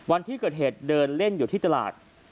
วันที่เกิดเหตุเดินเล่นอยู่ที่ตลาด